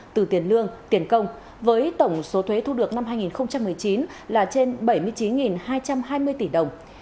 từ tiền lương tiền công với tổng số thuế thu được năm hai nghìn một mươi chín là trên bảy mươi chín hai trăm hai mươi tỷ đồng